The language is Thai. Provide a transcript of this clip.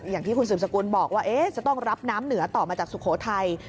อย่างที่คุณสืบสกุลบอกว่าจะต้องรับน้ำเหนือต่อมาจากสุโขทัย